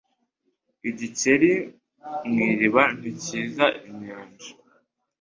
Igikeri mu iriba ntikizi inyanja.